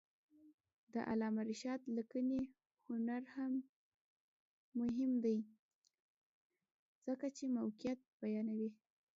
د علامه رشاد لیکنی هنر مهم دی ځکه چې موقعیت بیانوي.